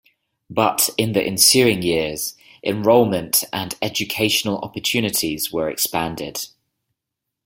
But in the ensuing years, enrollment and educational opportunities were expanded.